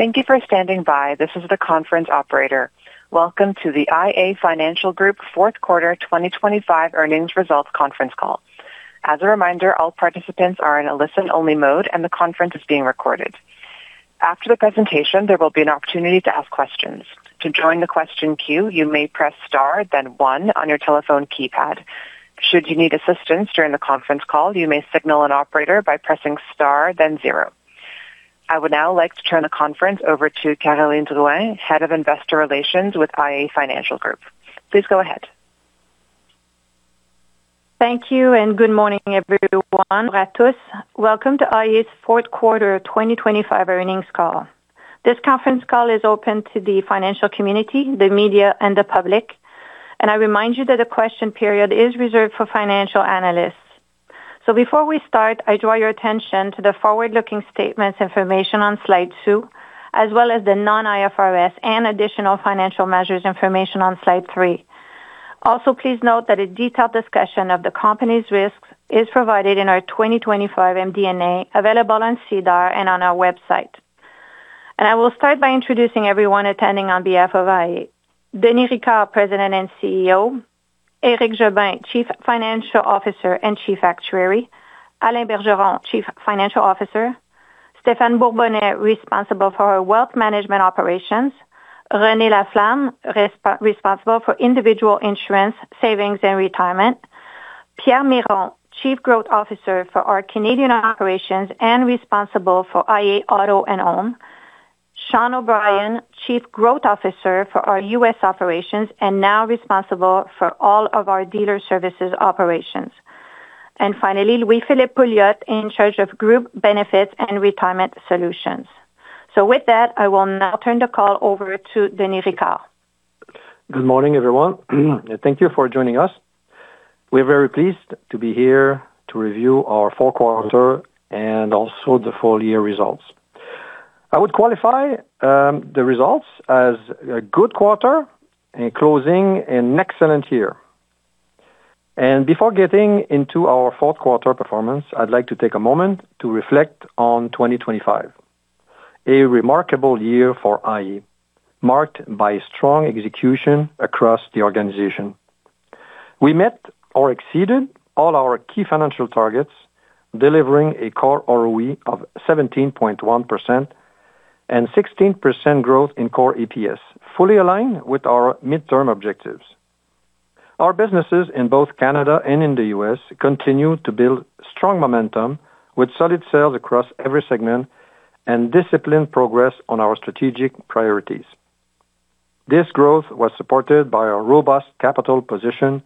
Thank you for standing by. This is the conference operator. Welcome to the iA Financial Group Fourth Quarter 2025 Earnings Results Conference Call. As a reminder, all participants are in a listen-only mode, and the conference is being recorded. After the presentation, there will be an opportunity to ask questions. To join the question queue, you may press star, then one on your telephone keypad. Should you need assistance during the conference call, you may signal an operator by pressing star, then zero. I would now like to turn the conference over to Caroline Drouin, Head of Investor Relations with iA Financial Group. Please go ahead. Thank you, and good morning, everyone. Welcome to iA's fourth quarter, 2025 earnings call. This conference call is open to the financial community, the media, and the public, and I remind you that the question period is reserved for financial analysts. So before we start, I draw your attention to the forward-looking statements, information on slide 2, as well as the non-IFRS and additional financial measures information on slide 3. Also, please note that a detailed discussion of the company's risks is provided in our 2025 MD&A, available on SEDAR and on our website. I will start by introducing everyone attending on behalf of iA. Denis Ricard, President and CEO, Éric Jobin, Chief Financial Officer and Chief Actuary, Alain Bergeron, Chief Investment Officer, Stephan Bourbonnais, responsible for our Wealth Management operations, René Laflamme, responsible for Individual Insurance, Savings, and Retirement, Pierre Miron, Chief Growth Officer for our Canadian operations and responsible for iA Auto & Home, Sean O'Brien, Chief Growth Officer for our U.S. operations and now responsible for all of our Dealer Services operations. Finally, Louis-Philippe Pouliot, in charge of Group Benefits and Retirement Solutions. With that, I will now turn the call over to Denis Ricard. Good morning, everyone, and thank you for joining us. We're very pleased to be here to review our fourth quarter and also the full year results. I would qualify the results as a good quarter and closing an excellent year. And before getting into our fourth quarter performance, I'd like to take a moment to reflect on 2025, a remarkable year for iA, marked by strong execution across the organization. We met or exceeded all our key financial targets, delivering a Core ROE of 17.1% and 16% growth in Core EPS, fully aligned with our midterm objectives. Our businesses in both Canada and in the U.S. continue to build strong momentum, with solid sales across every segment and disciplined progress on our strategic priorities. This growth was supported by a robust capital position,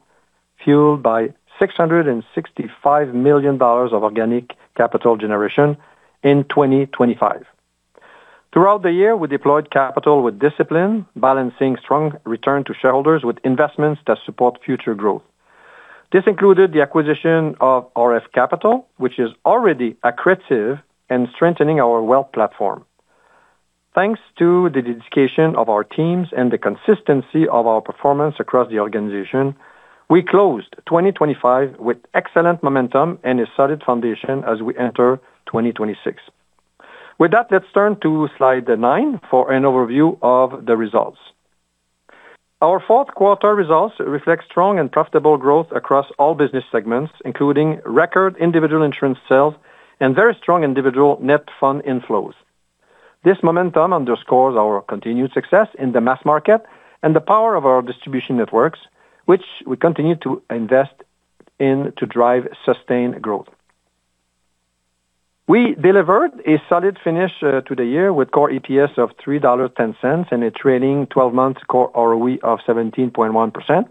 fueled by 665 million dollars of organic capital generation in 2025. Throughout the year, we deployed capital with discipline, balancing strong return to shareholders with investments that support future growth. This included the acquisition of RF Capital, which is already accretive in strengthening our wealth platform. Thanks to the dedication of our teams and the consistency of our performance across the organization, we closed 2025 with excellent momentum and a solid foundation as we enter 2026. With that, let's turn to slide nine for an overview of the results. Our fourth quarter results reflect strong and profitable growth across all business segments, including record individual insurance sales and very strong individual net fund inflows. This momentum underscores our continued success in the mass market and the power of our distribution networks, which we continue to invest in to drive sustained growth. We delivered a solid finish to the year with Core EPS of 3.10 dollars, and a trailing twelve-month Core ROE of 17.1%,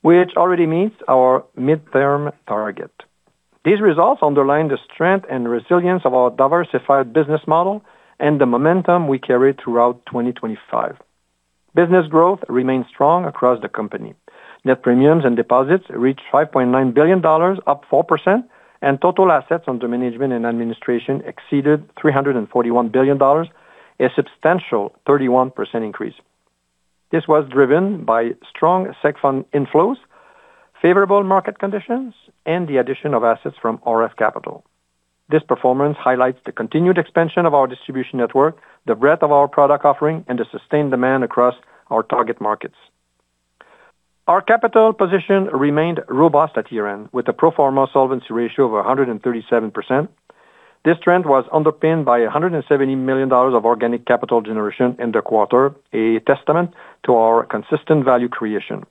which already meets our midterm target. These results underline the strength and resilience of our diversified business model and the momentum we carried throughout 2025. Business growth remains strong across the company. Net premiums and deposits reached 5.9 billion dollars, up 4%, and total assets under management and administration exceeded 341 billion dollars, a substantial 31% increase. This was driven by strong seg fund inflows, favorable market conditions, and the addition of assets from RF Capital. This performance highlights the continued expansion of our distribution network, the breadth of our product offering, and the sustained demand across our target markets. Our capital position remained robust at year-end, with a pro forma solvency ratio of 137%. This trend was underpinned by 170 million dollars of organic capital generation in the quarter, a testament to our consistent value creation.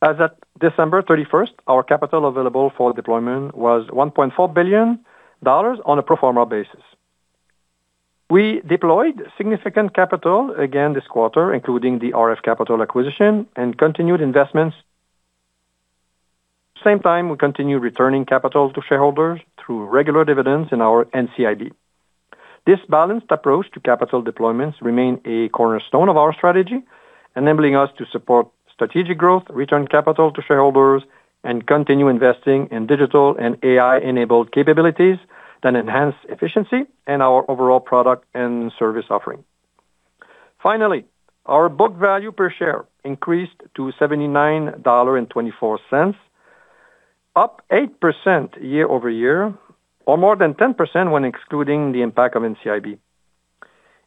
As at December thirty-first, our capital available for deployment was 1.4 billion dollars on a pro forma basis. We deployed significant capital again this quarter, including the RF Capital acquisition and continued investments. Same time, we continued returning capital to shareholders through regular dividends in our NCIB. This balanced approach to capital deployments remain a cornerstone of our strategy, enabling us to support strategic growth, return capital to shareholders, and continue investing in digital and AI-enabled capabilities that enhance efficiency and our overall product and service offering.... Finally, our book value per share increased to 79.24 dollar, up 8% year-over-year, or more than 10% when excluding the impact of NCIB.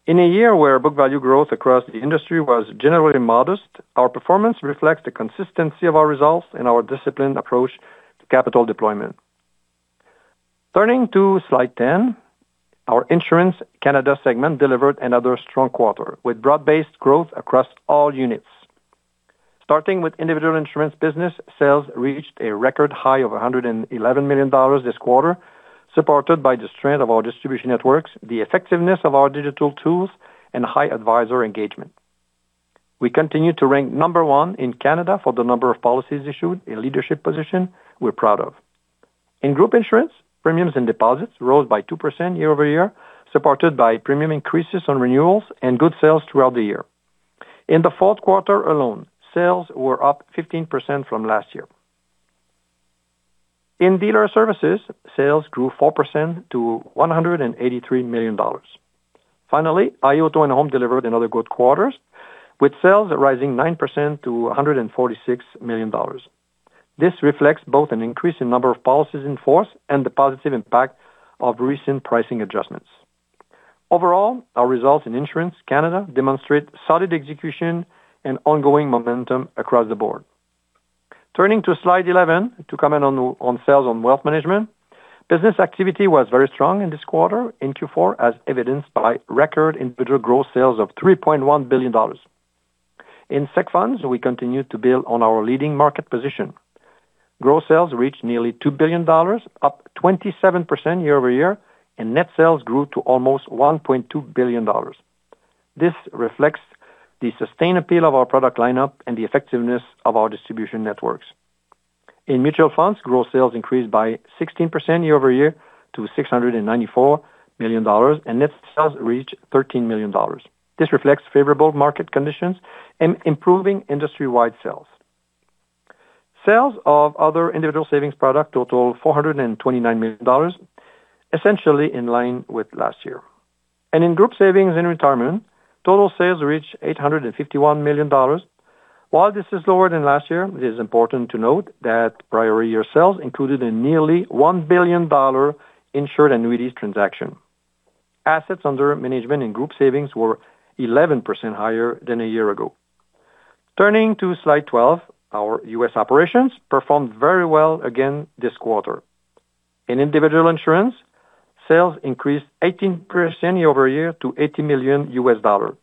In a year where book value growth across the industry was generally modest, our performance reflects the consistency of our results and our disciplined approach to capital deployment. Turning to slide 10, our Insurance, Canada segment delivered another strong quarter, with broad-based growth across all units. Starting with individual insurance business, sales reached a record high of 111 million dollars this quarter, supported by the strength of our distribution networks, the effectiveness of our digital tools, and high advisor engagement. We continue to rank number one in Canada for the number of policies issued, a leadership position we're proud of. In group insurance, premiums and deposits rose by 2% year-over-year, supported by premium increases on renewals and good sales throughout the year. In the fourth quarter alone, sales were up 15% from last year. In Dealer Services, sales grew 4% to 183 million dollars. Finally, iA Auto & Home delivered another good quarter, with sales rising 9% to 146 million dollars. This reflects both an increase in number of policies in force and the positive impact of recent pricing adjustments. Overall, our results in Insurance, Canada demonstrate solid execution and ongoing momentum across the board. Turning to slide eleven, to comment on, on sales on wealth management. Business activity was very strong in this quarter, in Q4, as evidenced by record individual growth sales of 3.1 billion dollars. In segregated funds, we continued to build on our leading market position. Growth sales reached nearly 2 billion dollars, up 27% year-over-year, and net sales grew to almost 1.2 billion dollars. This reflects the sustained appeal of our product lineup and the effectiveness of our distribution networks. In mutual funds, growth sales increased by 16% year-over-year to 694 million dollars, and net sales reached 13 million dollars. This reflects favorable market conditions and improving industry-wide sales. Sales of other individual savings product totaled 429 million dollars, essentially in line with last year. In group savings and retirement, total sales reached 851 million dollars. While this is lower than last year, it is important to note that prior year sales included a nearly 1 billion dollar insured annuities transaction. Assets under management and group savings were 11% higher than a year ago. Turning to slide 12, our U.S. operations performed very well again this quarter. In individual insurance, sales increased 18% year-over-year to $80 million.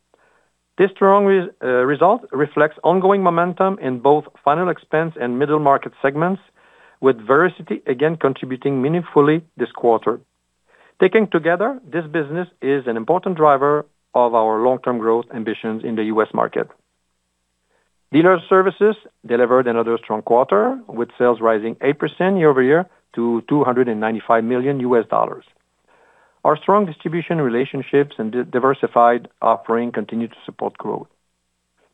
This strong result reflects ongoing momentum in both final expense and middle market segments, with Vericity again contributing meaningfully this quarter. Taken together, this business is an important driver of our long-term growth ambitions in the U.S. market. Dealer Services delivered another strong quarter, with sales rising 8% year-over-year to $295 million. Our strong distribution relationships and diversified offering continue to support growth.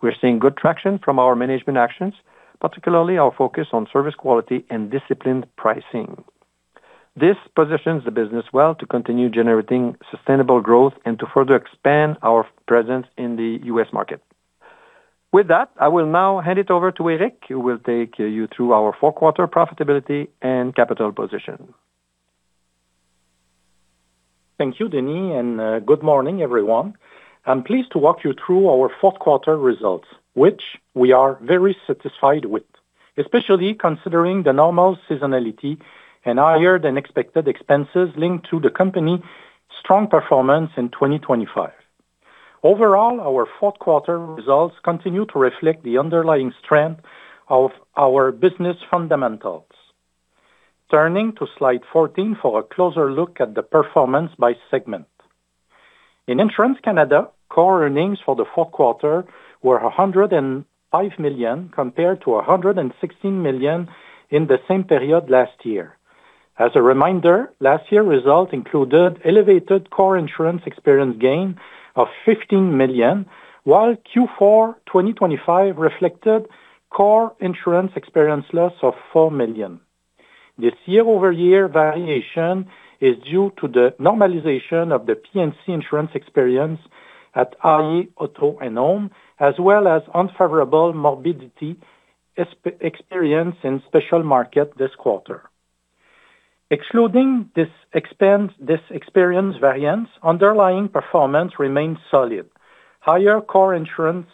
We're seeing good traction from our management actions, particularly our focus on service quality and disciplined pricing. This positions the business well to continue generating sustainable growth and to further expand our presence in the U.S. market. With that, I will now hand it over to Éric, who will take you through our fourth quarter profitability and capital position. Thank you, Denis, and good morning, everyone. I'm pleased to walk you through our fourth quarter results, which we are very satisfied with, especially considering the normal seasonality and higher than expected expenses linked to the company strong performance in 2025. Overall, our fourth quarter results continue to reflect the underlying strength of our business fundamentals. Turning to slide 14 for a closer look at the performance by segment. In Insurance, Canada, core earnings for the fourth quarter were 105 million, compared to 116 million in the same period last year. As a reminder, last year's result included elevated core insurance experience gain of 15 million, while Q4 2025 reflected core insurance experience loss of 4 million. This year-over-year variation is due to the normalization of the P&C insurance experience at iA Auto & Home, as well as unfavorable morbidity experience in special market this quarter. Excluding this expense, this experience variance, underlying performance remains solid. Higher core insurance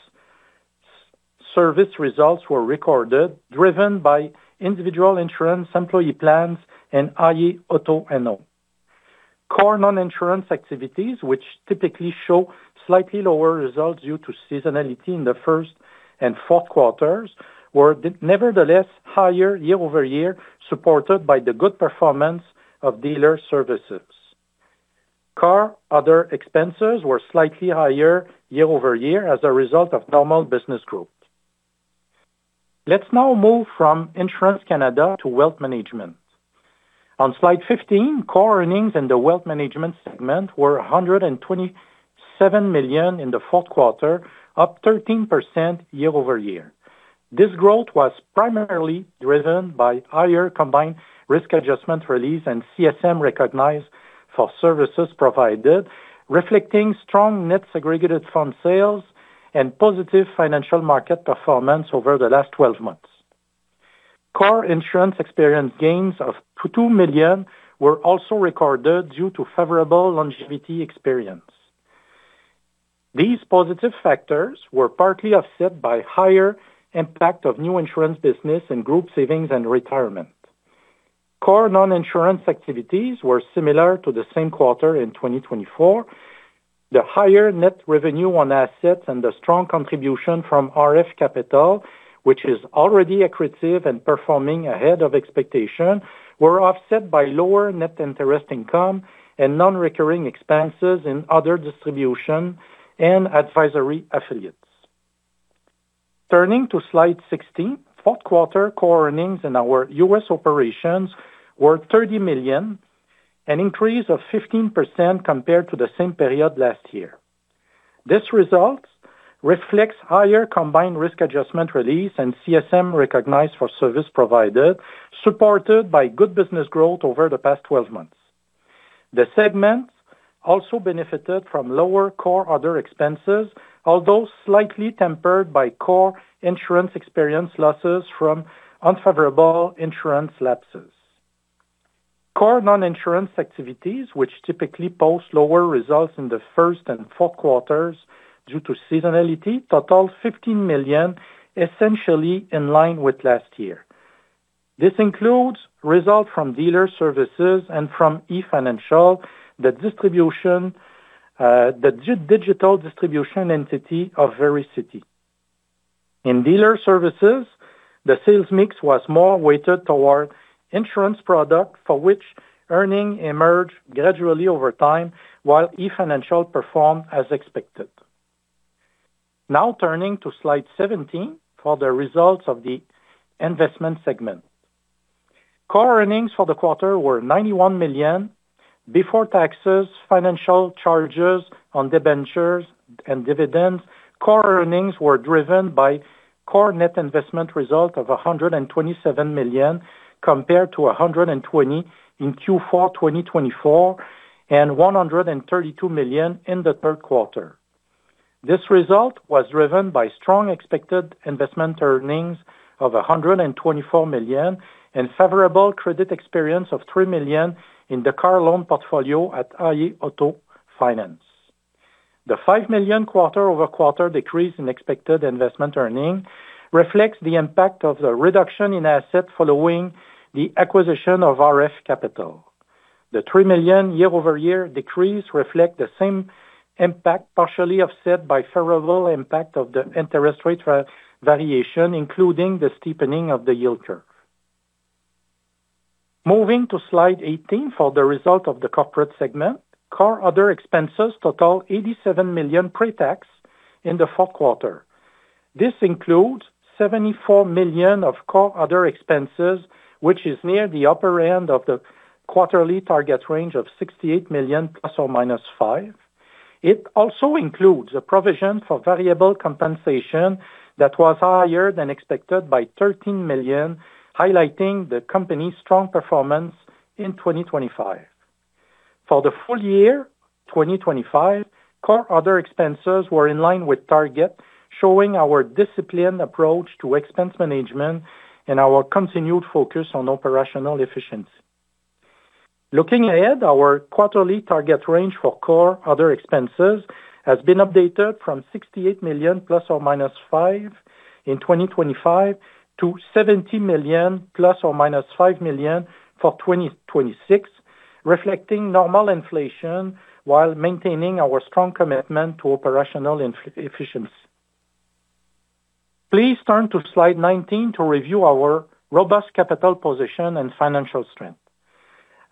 service results were recorded, driven by individual insurance, Eemployee Plans and iA Auto & Home. Core non-insurance activities, which typically show slightly lower results due to seasonality in the first and fourth quarters, were nevertheless higher year-over-year, supported by the good performance of dealer services. Core other expenses were slightly higher year-over-year as a result of normal business growth. Let's now move from Insurance Canada to Wealth Management. On slide 15, core earnings in the wealth management segment were 127 million in the fourth quarter, up 13% year-over-year. This growth was primarily driven by higher combined risk adjustment release and CSM recognized for services provided, reflecting strong net Segregated Fund sales and positive financial market performance over the last 12 months. Core insurance experience gains of 2 million were also recorded due to favorable longevity experience. These positive factors were partly offset by higher impact of new insurance business and Group Savings and Retirement. Core non-insurance activities were similar to the same quarter in 2024. The higher net revenue on assets and the strong contribution from RF Capital, which is already accretive and performing ahead of expectation, were offset by lower net interest income and non-recurring expenses in other distribution and advisory affiliates. Turning to slide 16, fourth quarter core earnings in our U.S. operations were $30 million, an increase of 15% compared to the same period last year. This result reflects higher combined risk adjustment release and CSM recognized for service provided, supported by good business growth over the past 12 months. The segment also benefited from lower core other expenses, although slightly tempered by core insurance experience losses from unfavorable insurance lapses. Core non-insurance activities, which typically post lower results in the first and fourth quarters due to seasonality, total 15 million, essentially in line with last year. This includes results from Dealer Services and from eFinancial, the digital distribution entity of Vericity. In Dealer Services, the sales mix was more weighted toward insurance product, for which earnings emerge gradually over time, while eFinancial performed as expected. Now turning to slide 17 for the results of the investment segment. Core earnings for the quarter were 91 million. Before taxes, financial charges on debentures and dividends, core earnings were driven by core net investment result of 127 million, compared to 120 million in Q4 2024, and 132 million in the third quarter. This result was driven by strong expected investment earnings of 124 million and favorable credit experience of 3 million in the car loan portfolio at iA Auto Finance. The 5 million quarter-over-quarter decrease in expected investment earning reflects the impact of the reduction in assets following the acquisition of RF Capital. The 3 million year-over-year decrease reflect the same impact, partially offset by favorable impact of the interest rate variation, including the steepening of the yield curve. Moving to slide 18 for the result of the corporate segment. Core other expenses total 87 million pre-tax in the fourth quarter. This includes 74 million of core other expenses, which is near the upper end of the quarterly target range of 68 million ±5 million. It also includes a provision for variable compensation that was higher than expected by 13 million, highlighting the company's strong performance in 2025. For the full year 2025, core other expenses were in line with target, showing our disciplined approach to expense management and our continued focus on operational efficiency. Looking ahead, our quarterly target range for core other expenses has been updated from 68 million ±5 million in 2025 to 70 million ±5 million for 2026, reflecting normal inflation while maintaining our strong commitment to operational efficiency. Please turn to slide 19 to review our robust capital position and financial strength.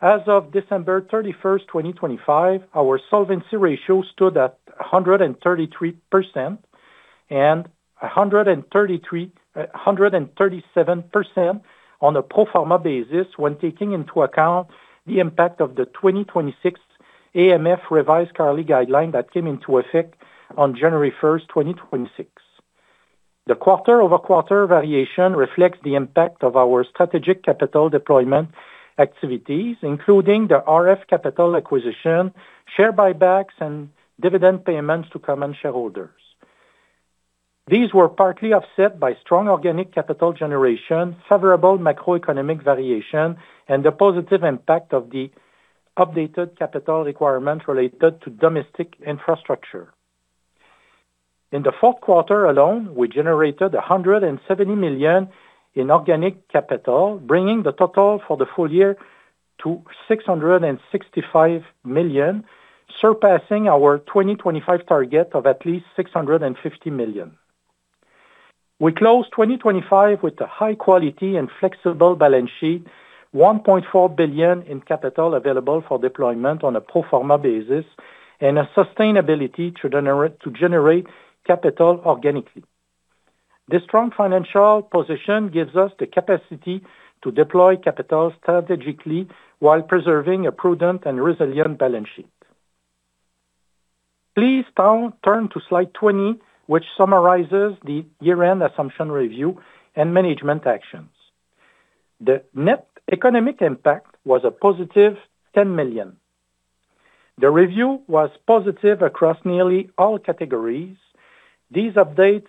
As of December 31, 2025, our solvency ratio stood at 133% and 137% on a pro forma basis when taking into account the impact of the 2026 AMF revised CARLI guideline that came into effect on January 1, 2026. The quarter-over-quarter variation reflects the impact of our strategic capital deployment activities, including the RF Capital acquisition, share buybacks, and dividend payments to common shareholders. These were partly offset by strong organic capital generation, favorable macroeconomic variation, and the positive impact of the updated capital requirements related to domestic infrastructure. In the fourth quarter alone, we generated 170 million in organic capital, bringing the total for the full year to 665 million, surpassing our 2025 target of at least 650 million. We closed 2025 with a high quality and flexible balance sheet, 1.4 billion in capital available for deployment on a pro forma basis, and a sustainability to generate capital organically. This strong financial position gives us the capacity to deploy capital strategically while preserving a prudent and resilient balance sheet.... Please now turn to slide 20, which summarizes the year-end assumption review and management actions. The net economic impact was a positive 10 million. The review was positive across nearly all categories. These updates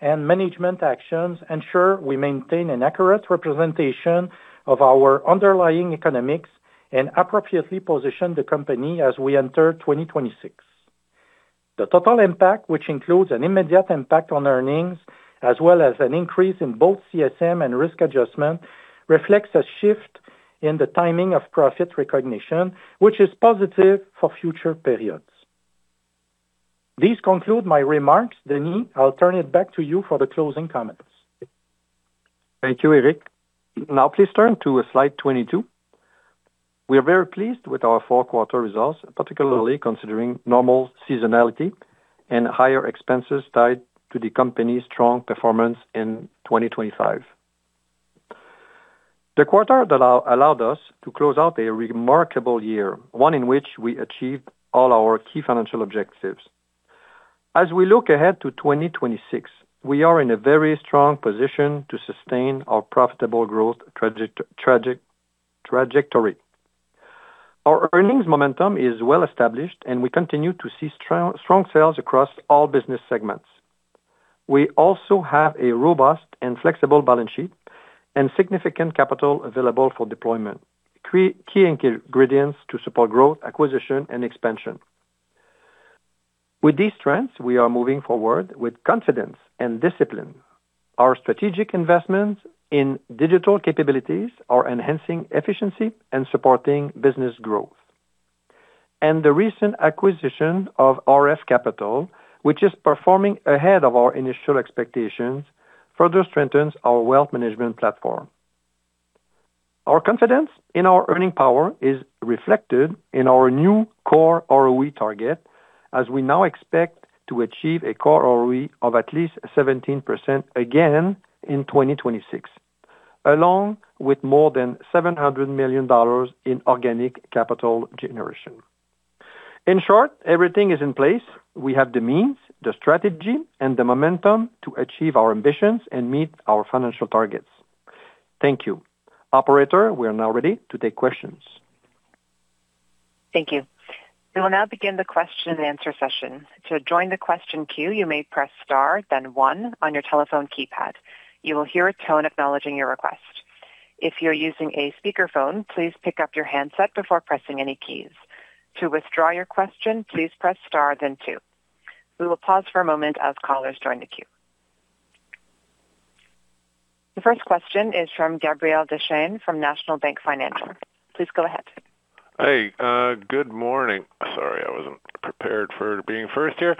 and management actions ensure we maintain an accurate representation of our underlying economics and appropriately position the company as we enter 2026. The total impact, which includes an immediate impact on earnings, as well as an increase in both CSM and risk adjustment, reflects a shift in the timing of profit recognition, which is positive for future periods. This conclude my remarks. Denis, I'll turn it back to you for the closing comments. Thank you, Éric. Now please turn to slide 22. We are very pleased with our fourth quarter results, particularly considering normal seasonality and higher expenses tied to the company's strong performance in 2025. The quarter that allowed us to close out a remarkable year, one in which we achieved all our key financial objectives. As we look ahead to 2026, we are in a very strong position to sustain our profitable growth trajectory. Our earnings momentum is well established, and we continue to see strong sales across all business segments. We also have a robust and flexible balance sheet and significant capital available for deployment, key ingredients to support growth, acquisition, and expansion. With these trends, we are moving forward with confidence and discipline. Our strategic investments in digital capabilities are enhancing efficiency and supporting business growth. The recent acquisition of RF Capital, which is performing ahead of our initial expectations, further strengthens our wealth management platform. Our confidence in our earning power is reflected in our new Core ROE target, as we now expect to achieve a Core ROE of at least 17% again in 2026, along with more than 700 million dollars in organic capital generation. In short, everything is in place. We have the means, the strategy, and the momentum to achieve our ambitions and meet our financial targets. Thank you. Operator, we are now ready to take questions. Thank you. We will now begin the question and answer session. To join the question queue, you may press star, then one on your telephone keypad. You will hear a tone acknowledging your request. If you're using a speakerphone, please pick up your handset before pressing any keys. To withdraw your question, please press star, then two. We will pause for a moment as callers join the queue. The first question is from Gabriel Deschaine, from National Bank Financial. Please go ahead. Hey, good morning. Sorry, I wasn't prepared for being first here.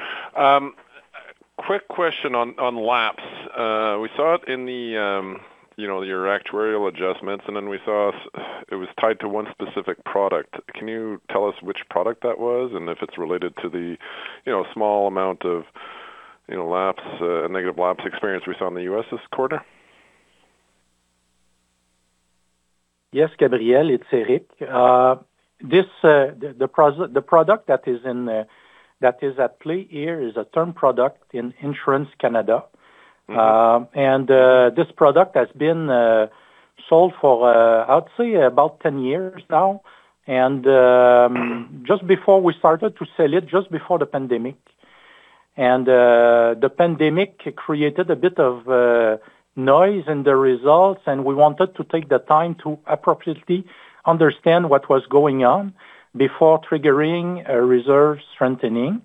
Quick question on lapse. We saw it in the, you know, your actuarial adjustments, and then we saw it was tied to one specific product. Can you tell us which product that was, and if it's related to the, you know, small amount of, you know, lapse, negative lapse experience we saw in the U.S. this quarter? Yes, Gabriel, it's Éric. The product that is at play here is a term product in Insurance Canada. Mm-hmm. And this product has been sold for, I would say about 10 years now. Just before we started to sell it, just before the pandemic, and the pandemic created a bit of noise in the results, and we wanted to take the time to appropriately understand what was going on before triggering a reserve strengthening.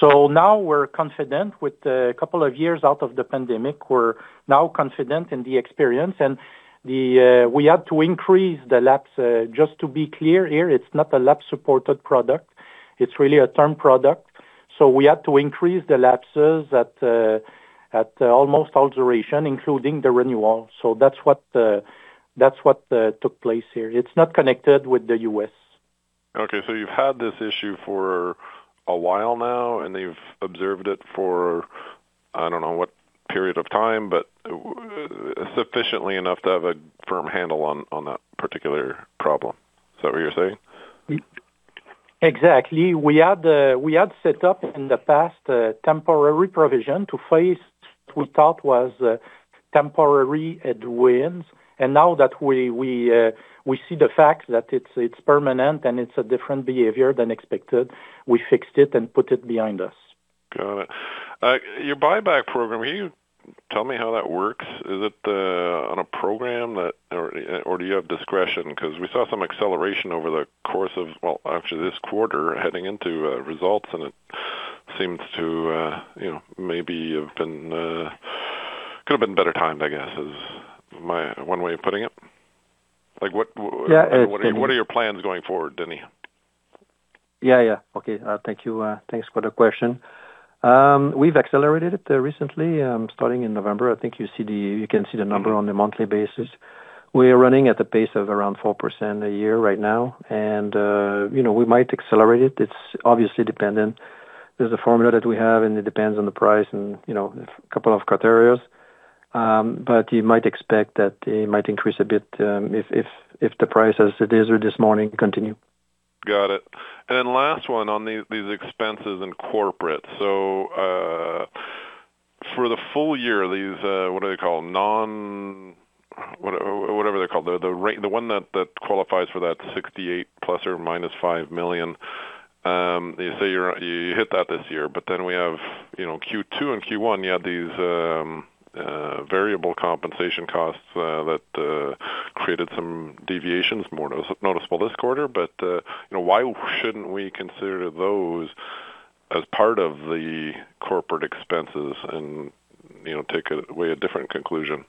So now we're confident with a couple of years out of the pandemic, we're now confident in the experience and the, we had to increase the lapse. Just to be clear here, it's not a lapse-supported product. It's really a term product. So we had to increase the lapses at almost all duration, including the renewal. So that's what, that's what, took place here. It's not connected with the U.S. Okay, so you've had this issue for a while now, and you've observed it for, I don't know what period of time, but sufficiently enough to have a firm handle on that particular problem. Is that what you're saying? Exactly. We had, we had set up in the past, a temporary provision to face what we thought was a temporary headwinds, and now that we, we, we see the fact that it's, it's permanent and it's a different behavior than expected, we fixed it and put it behind us. Got it. Your buyback program, will you tell me how that works? Is it, on a program that, or, or do you have discretion? Because we saw some acceleration over the course of, well, actually this quarter heading into, results, and it seems to, you know, maybe have been, could have been better timed, I guess, is my one way of putting it. Like, what- Yeah, it- What are your plans going forward, Denis? Yeah, yeah. Okay. Thank you. Thanks for the question. We've accelerated it recently, starting in November. I think you can see the number on a monthly basis. We are running at the pace of around 4% a year right now, and, you know, we might accelerate it. It's obviously dependent. There's a formula that we have, and it depends on the price and, you know, a couple of criteria.... but you might expect that it might increase a bit, if the prices as it is this morning continue. Got it. And then last one on these, these expenses in corporate. So, for the full year, these, what do they call, non- what- whatever they're called, the, the rate, the one that, that qualifies for that 68 ±5 million. You say you're, you hit that this year, but then we have, you know, Q2 and Q1, you had these, variable compensation costs, that, created some deviations, more noticeable this quarter. But, you know, why shouldn't we consider those as part of the corporate expenses and, you know, take a, way a different conclusion?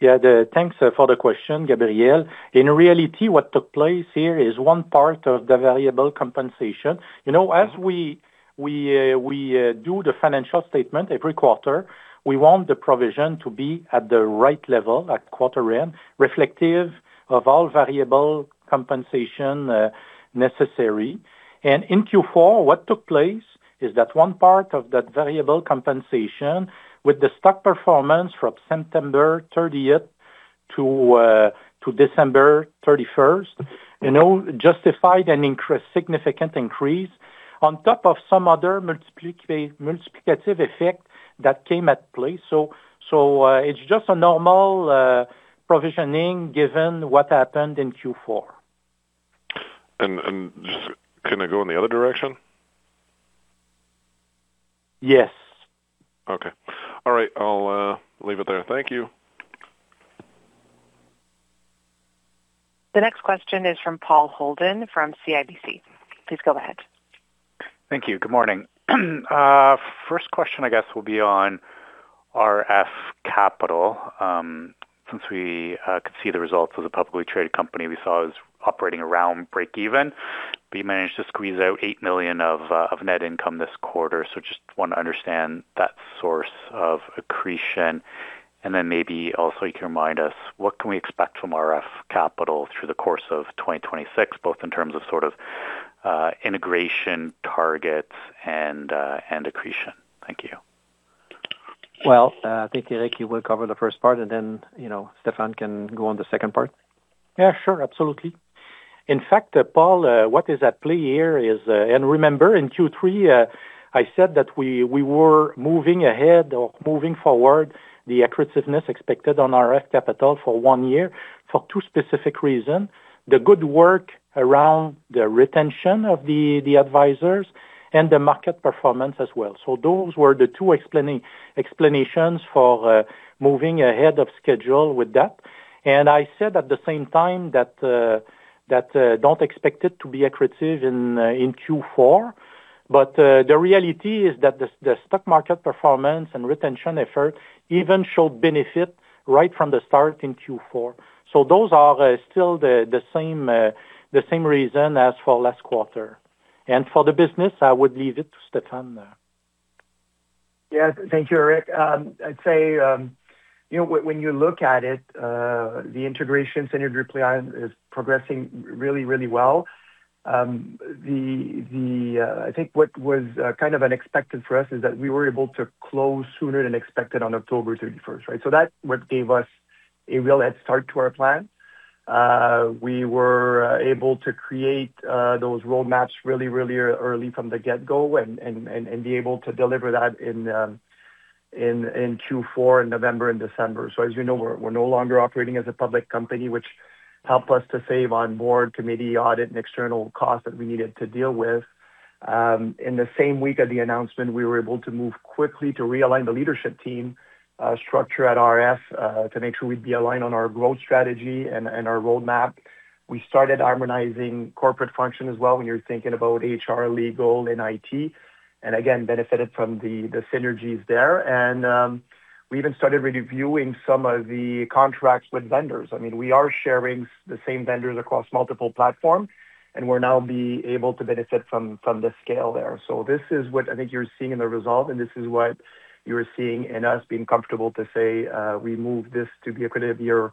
Yeah, the thanks, for the question, Gabriel. In reality, what took place here is one part of the variable compensation. You know, as we do the financial statement every quarter, we want the provision to be at the right level, at quarter end, reflective of all variable compensation, necessary. And in Q4, what took place is that one part of that variable compensation with the stock performance from September 30th to to December 31st, you know, justified an increase, significant increase on top of some other multiplicative, multiplicative effect that came at play. So, it's just a normal, provisioning, given what happened in Q4. And just, can it go in the other direction? Yes. Okay. All right. I'll leave it there. Thank you. The next question is from Paul Holden, from CIBC. Please go ahead. Thank you. Good morning. First question, I guess, will be on RF Capital. Since we could see the results of the publicly traded company, we saw it was operating around break even, but you managed to squeeze out 8 million of net income this quarter. So just want to understand that source of accretion, and then maybe also you can remind us what can we expect from RF Capital through the course of 2026, both in terms of sort of integration targets and accretion? Thank you. Well, I think Éric, you will cover the first part, and then, you know, Stephan can go on the second part. Yeah, sure. Absolutely. In fact, Paul, what is at play here is... Remember, in Q3, I said that we were moving ahead or moving forward, the accretiveness expected on RF Capital for one year, for two specific reasons. The good work around the retention of the advisors and the market performance as well. So those were the two explanations for moving ahead of schedule with that. I said at the same time that, that, don't expect it to be accretive in Q4, but the reality is that the stock market performance and retention effort even showed benefit right from the start in Q4. So those are still the same reason as for last quarter. For the business, I would leave it to Stephan now. Yeah. Thank you, Éric. I'd say, you know, when you look at it, the integration Synergy play is progressing really, really well. I think what was kind of unexpected for us is that we were able to close sooner than expected on October 31, right? That's what gave us a real head start to our plan. We were able to create those roadmaps really, really early from the get-go and be able to deliver that in Q4, in November and December. As you know, we're no longer operating as a public company, which helped us to save on board, committee, audit, and external costs that we needed to deal with. In the same week of the announcement, we were able to move quickly to realign the leadership team structure at RF to make sure we'd be aligned on our growth strategy and our roadmap. We started harmonizing corporate function as well, when you're thinking about HR, legal, and IT, and again, benefited from the synergies there. We even started reviewing some of the contracts with vendors. I mean, we are sharing the same vendors across multiple platforms, and we're now be able to benefit from the scale there. So this is what I think you're seeing in the result, and this is what you're seeing in us being comfortable to say, we moved this to be accretive year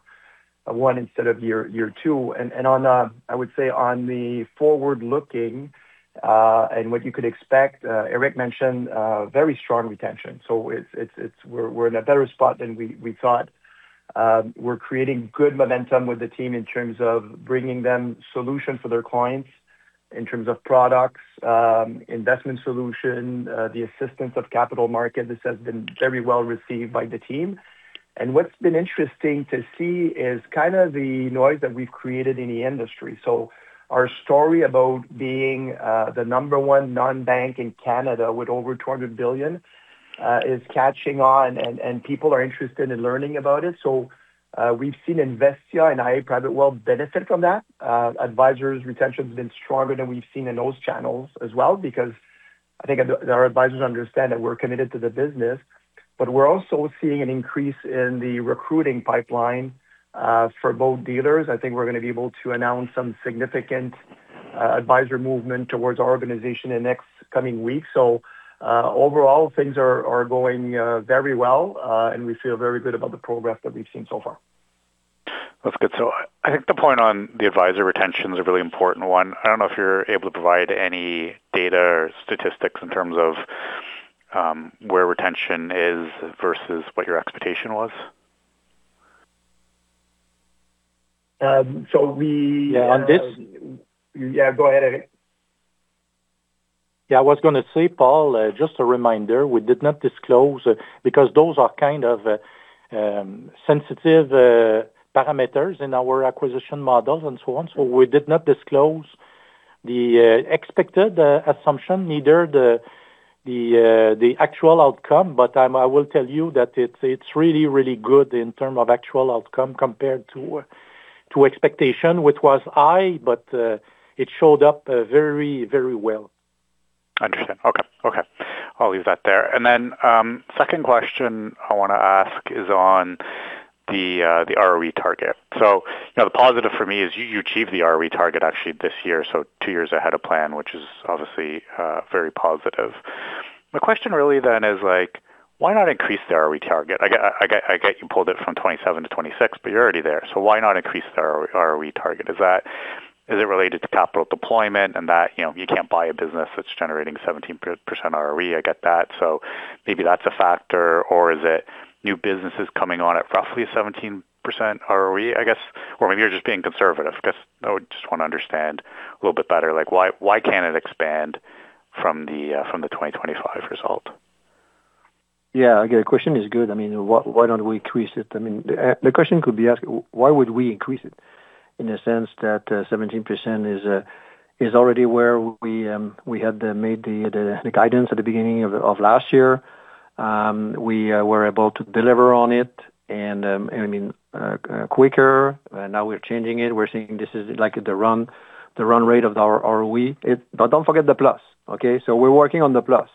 one instead of year two. On the forward-looking and what you could expect, Éric mentioned very strong retention. So it's - we're in a better spot than we thought. We're creating good momentum with the team in terms of bringing them solutions for their clients, in terms of products, investment solution, the assistance of capital market. This has been very well received by the team. And what's been interesting to see is kind of the noise that we've created in the industry. So our story about being the number one non-bank in Canada with over 200 billion is catching on, and people are interested in learning about it. So we've seen Investia and iA Private Wealth benefit from that. Advisors retention has been stronger than we've seen in those channels as well, because I think our advisors understand that we're committed to the business, but we're also seeing an increase in the recruiting pipeline for both dealers. I think we're gonna be able to announce some significant advisor movement towards our organization in next coming weeks. So, overall things are going very well, and we feel very good about the progress that we've seen so far.... That's good. So I think the point on the advisor retention is a really important one. I don't know if you're able to provide any data or statistics in terms of, where retention is versus what your expectation was. So we- Yeah, on this? Yeah, go ahead, Eric. Yeah, I was gonna say, Paul, just a reminder, we did not disclose because those are kind of, sensitive, parameters in our acquisition models and so on. So we did not disclose the, expected, assumption, neither the, the, the actual outcome. But, I will tell you that it's, it's really, really good in term of actual outcome compared to, to expectation, which was high, but, it showed up, very, very well. Understand. Okay. Okay, I'll leave that there. And then, second question I wanna ask is on the, the ROE target. So, you know, the positive for me is you, you achieved the ROE target actually this year, so two years ahead of plan, which is obviously, very positive. My question really then is like, why not increase the ROE target? I get, I get, I get you pulled it from 27-26, but you're already there, so why not increase the ROE target? Is that, is it related to capital deployment and that, you know, you can't buy a business that's generating 17% ROE? I get that. So maybe that's a factor. Or is it new businesses coming on at roughly 17% ROE? I guess, or maybe you're just being conservative. I guess I would just want to understand a little bit better, like, why, why can't it expand from the, from the 2025 result? Yeah, your question is good. I mean, why, why don't we increase it? I mean, the question could be asked, why would we increase it, in the sense that, seventeen percent is already where we had made the guidance at the beginning of last year. We were able to deliver on it, and I mean quicker, and now we're changing it. We're saying this is like the run rate of our ROE. But don't forget the plus, okay? So we're working on the plus.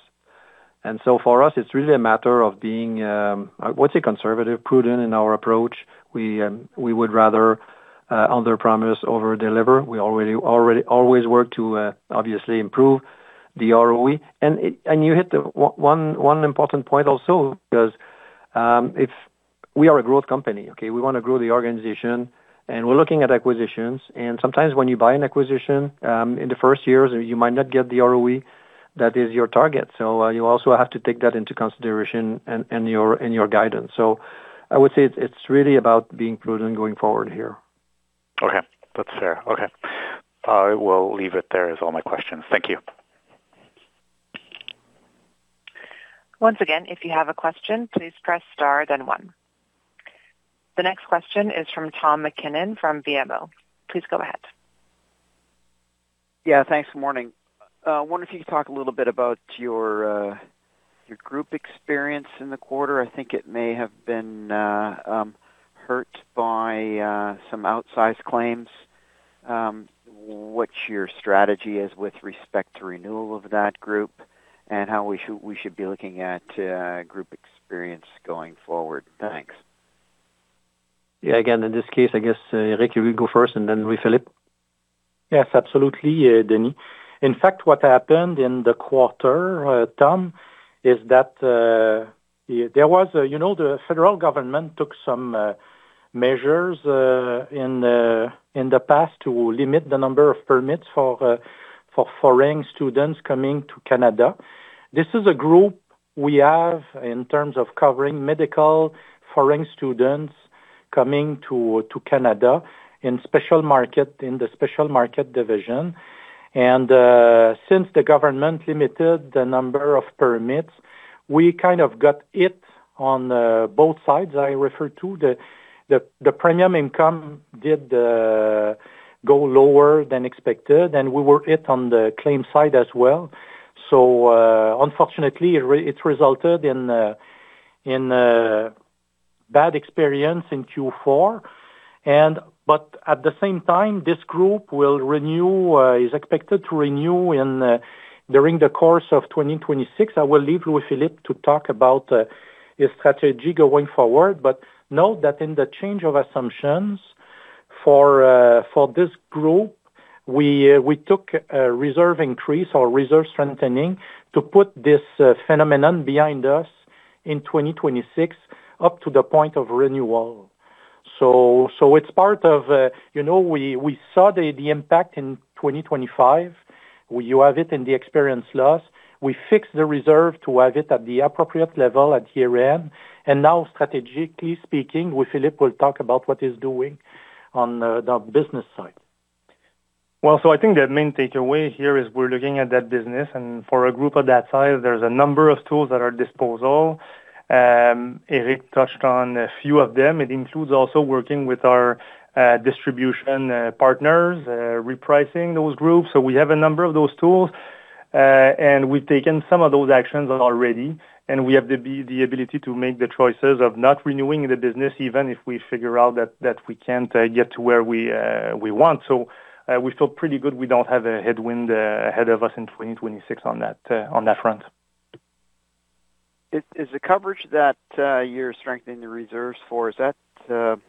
And so for us, it's really a matter of being, I would say, conservative, prudent in our approach. We would rather under-promise, over-deliver. We already always work to obviously improve the ROE. And you hit the one important point also, because if we are a growth company, okay? We wanna grow the organization, and we're looking at acquisitions, and sometimes when you buy an acquisition, in the first years, you might not get the ROE that is your target. So you also have to take that into consideration in your guidance. So I would say it's really about being prudent going forward here. Okay. That's fair. Okay. I will leave it there. That's all my questions. Thank you. Once again, if you have a question, please press Star, then One. The next question is from Tom MacKinnon, from BMO. Please go ahead. Yeah, thanks. Morning. I wonder if you could talk a little bit about your group experience in the quarter. I think it may have been hurt by some outsized claims. What's your strategy is with respect to renewal of that group, and how we should be looking at group experience going forward? Thanks. Yeah. Again, in this case, I guess, Éric, you will go first, and then Louis-Philippe. Yes, absolutely, Denny. In fact, what happened in the quarter, Tom, is that, there was a, you know, the federal government took some measures, in the, in the past to limit the number of permits for, for foreign students coming to Canada. This is a group we have in terms of covering medical, foreign students coming to, to Canada in special market, in the special market division. And, since the government limited the number of permits, we kind of got hit on, both sides. I refer to the premium income did, go lower than expected, and we were hit on the claim side as well. So, unfortunately, it resulted in, in, bad experience in Q4. But at the same time, this group will renew, is expected to renew in, during the course of 2026. I will leave Louis-Philippe to talk about, his strategy going forward, but note that in the change of assumptions for, for this group, we, we took a reserve increase or reserve strengthening to put this, phenomenon behind us in 2026, up to the point of renewal. So, it's part of, you know, we, we saw the, the impact in 2025, you have it in the experienced loss. We fixed the reserve to have it at the appropriate level at year-end, and now strategically speaking, Louis-Philippe will talk about what he's doing on the, the business side. Well, so I think the main takeaway here is we're looking at that business, and for a group of that size, there's a number of tools at our disposal. Eric touched on a few of them. It includes also working with our distribution partners repricing those groups. So we have a number of those tools, and we've taken some of those actions already, and we have the ability to make the choices of not renewing the business, even if we figure out that we can't get to where we want. So, we feel pretty good we don't have a headwind ahead of us in 2026 on that front. Is the coverage that you're strengthening the reserves for, is that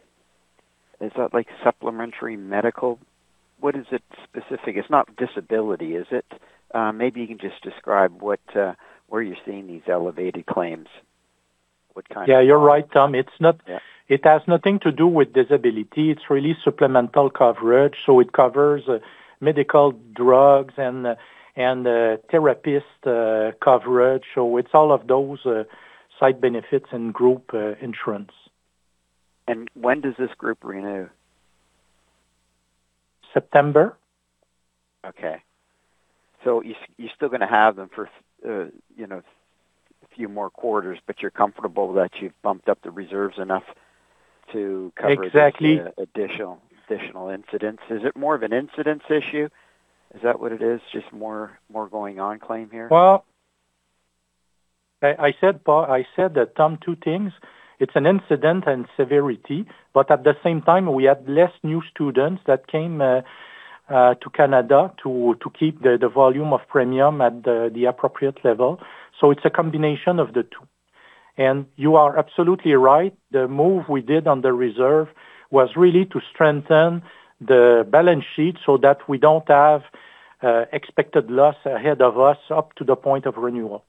like supplementary medical? What is it specific? It's not disability, is it? Maybe you can just describe what, where you're seeing these elevated claims. What kind? Yeah, you're right, Tom. It's not- Yeah. It has nothing to do with disability. It's really supplemental coverage, so it covers medical drugs and therapist coverage. So it's all of those site benefits and group insurance. When does this group renew? September. Okay. So you, you're still gonna have them for, you know, a few more quarters, but you're comfortable that you've bumped up the reserves enough to cover- Exactly. The additional incidents. Is it more of an incidents issue? Is that what it is? Just more going on claim here. Well, I said, but I said that, Tom, two things, it's an incident and severity, but at the same time, we had less new students that came to Canada to keep the volume of premium at the appropriate level. So it's a combination of the two. And you are absolutely right. The move we did on the reserve was really to strengthen the balance sheet so that we don't have expected loss ahead of us, up to the point of renewal.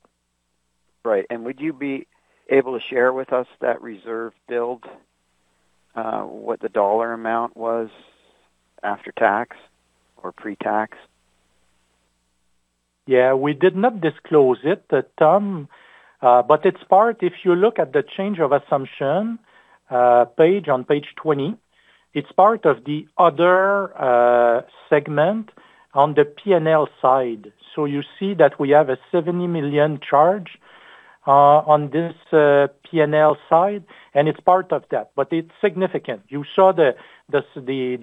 Right. And would you be able to share with us that reserve build, what the dollar amount was after tax or pre-tax? Yeah, we did not disclose it, but Tom, but it's part—if you look at the change of assumption page, on page 20, it's part of the other segment on the PNL side. So you see that we have a 70 million charge on this PNL side, and it's part of that, but it's significant. You saw the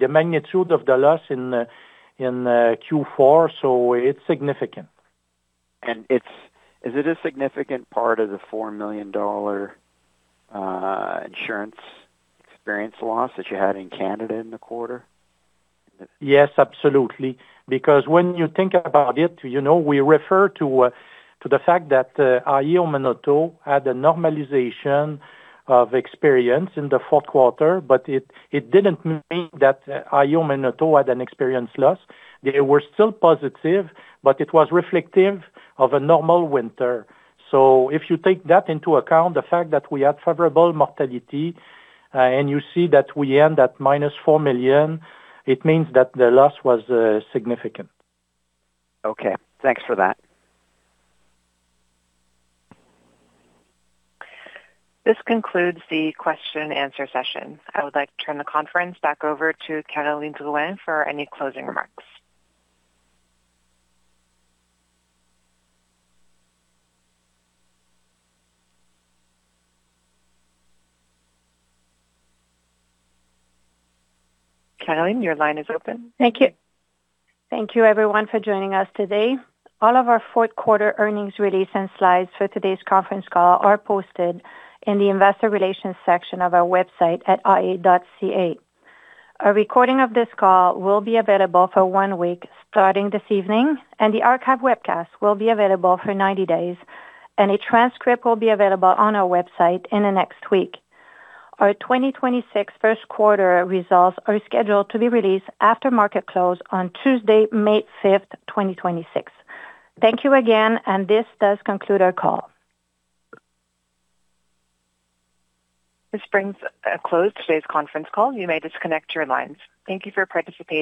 magnitude of the loss in Q4, so it's significant. Is it a significant part of the 4 million dollar insurance experience loss that you had in Canada in the quarter? Yes, absolutely. Because when you think about it, you know, we refer to, to the fact that, iA Manitoba had a normalization of experience in the fourth quarter, but it, it didn't mean that iA Manitoba had an experience loss. They were still positive, but it was reflective of a normal winter. So if you take that into account, the fact that we had favorable mortality, and you see that we end at -4 million, it means that the loss was, significant. Okay, thanks for that. This concludes the question and answer session. I would like to turn the conference back over to Caroline Drouin for any closing remarks. Caroline, your line is open. Thank you. Thank you everyone for joining us today. All of our fourth quarter earnings release and slides for today's conference call are posted in the investor relations section of our website at iA.ca. A recording of this call will be available for one week, starting this evening, and the archive webcast will be available for 90 days, and a transcript will be available on our website in the next week. Our 2026 first quarter results are scheduled to be released after market close on Tuesday, May 5, 2026. Thank you again, and this does conclude our call. This brings a close to today's conference call. You may disconnect your lines. Thank you for participating.